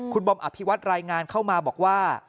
คุณบอมอภิวัตรายงานเข้ามาบอกว่า